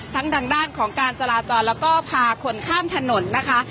ทางด้านของการจราจรแล้วก็พาคนข้ามถนนนะคะ